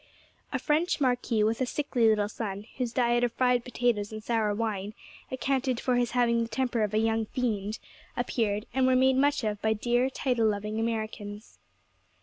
A French Marquis, with a sickly little son, whose diet of fried potatoes and sour wine accounted for his having the temper of a young fiend, appeared, and were made much of by dear, title loving Americans.